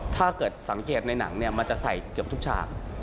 ถ้าเกิดสังเกตในหนังเนี่ยมันจะใส่เกือบทุกฉาก